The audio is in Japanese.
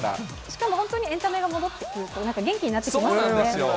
しかも本当にエンタメが戻ってくると、元気になってきますよ